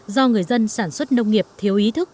do người dân sản xuất nông nghiệp thiếu ý thức